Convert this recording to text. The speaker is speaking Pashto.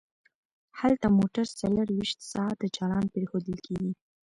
هلته موټر څلور ویشت ساعته چالان پریښودل کیږي